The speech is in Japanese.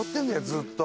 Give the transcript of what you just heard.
ずっと。